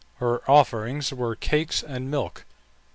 Her offerings were cakes and milk.